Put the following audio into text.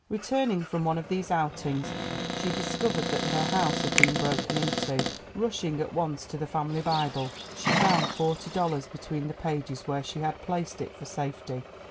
Returning from one of these outings she discovered that her house had been broken into. Rushing at once to the family Bible, she found $40 between the pages where she had placed it for safety.